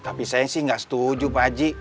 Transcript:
tapi saya sih nggak setuju pak haji